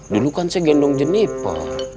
dulu kan saya gendong jenipa